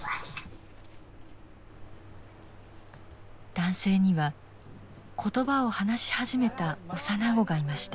男性には言葉を話し始めた幼子がいました。